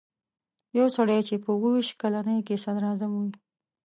یو سړی چې په اووه ویشت کلنۍ کې صدراعظم وي.